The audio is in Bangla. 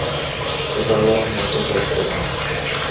সেটা হল অন্যদের দায়িত্ব নেওয়া।